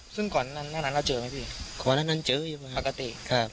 ซึ่งก่อนหน้านั้นเราเจอไหมพี่ก่อนหน้านั้นเจออยู่ปกติครับ